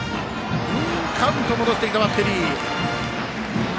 カウント戻してきた、バッテリー。